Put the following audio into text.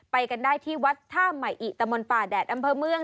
ไปกันได้ที่วัดท่าใหม่อิตะมนต์ป่าแดดอำเภอเมือง